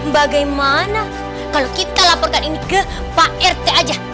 bagaimana kalau kita laporkan ini ke pak rt aja